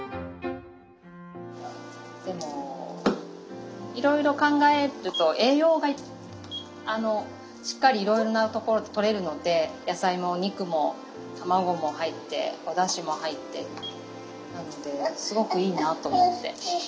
でもいろいろ考えると栄養がしっかりいろいろなところでとれるので野菜もお肉も卵も入っておだしも入ってなのですごくいいなと思って。